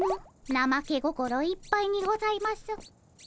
なまけ心いっぱいにございます。